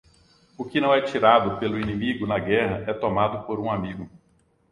O que não é tirado pelo inimigo na guerra é tomado por um amigo.